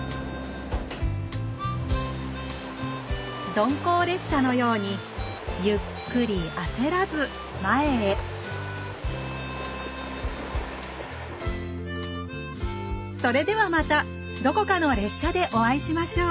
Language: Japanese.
鈍行列車のように「ゆっくりあせらず」前へそれではまたどこかの列車でお会いしましょう